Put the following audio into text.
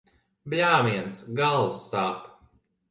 Bļāviens, galva sāp.